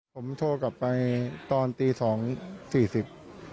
ผมโทรกลับไปตอนตีสองสี่สิบ